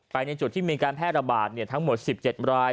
ในจุดที่มีการแพร่ระบาดทั้งหมด๑๗ราย